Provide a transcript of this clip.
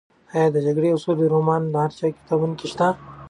ایا د جګړې او سولې رومان د هر چا په کتابتون کې شته؟